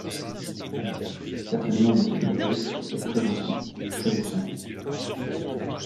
Certainement Monsieur Frédéric est très gentil, très distingué…